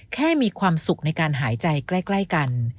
มีความสุขในการหายใจใกล้กัน